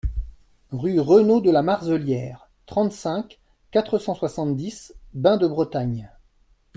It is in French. Rue Renault de la Marzelière, trente-cinq, quatre cent soixante-dix Bain-de-Bretagne